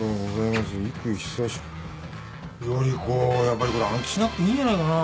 やっぱりこれ暗記しなくていいんじゃないかな。